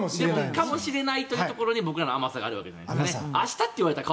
かもしれないというところで僕らの甘さがあるかもしれない。